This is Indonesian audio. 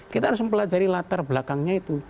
kita harus mempelajari latar belakangnya itu